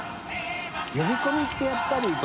呼び込みってやっぱり海辰疎